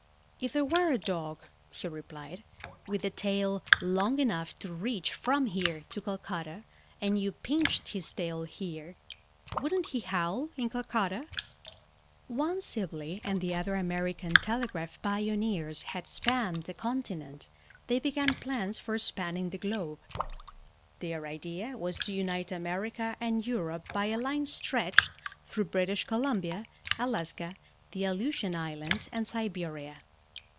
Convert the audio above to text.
"If there were a dog," he replied, "with a tail long enough to reach from here to Calcutta, and you pinched his tail here, wouldn't he howl in Calcutta?" Once Sibley and the other American telegraph pioneers had spanned the continent, they began plans for spanning the globe. Their idea was to unite America and Europe by a line stretched through British Columbia, Alaska, the Aleutian Islands, and Siberia.